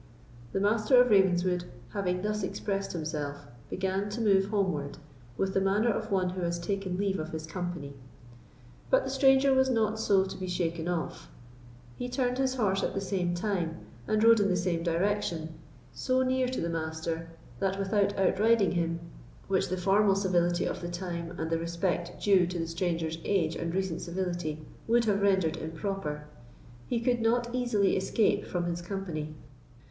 The Master of Ravenswood, having thus expressed himself, began to move homeward, with the manner of one who has taken leave of his company. But the stranger was not so to be shaken off. He turned his horse at the same time, and rode in the same direction, so near to the Master that, without outriding him, which the formal civility of the time, and the respect due to the stranger's age and recent civility, would have rendered improper, he could not easily escape from his company.